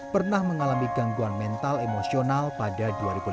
pernah mengalami gangguan mental emosional pada dua ribu enam belas